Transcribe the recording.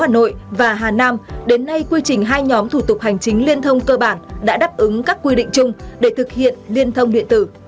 hà nội và hà nam đến nay quy trình hai nhóm thủ tục hành chính liên thông cơ bản đã đáp ứng các quy định chung để thực hiện liên thông điện tử